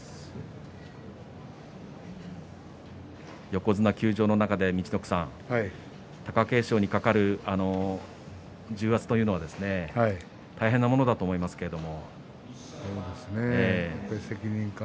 横綱休場の中で陸奥さん、貴景勝にかかる重圧というのは大変なものだと思いますけれど。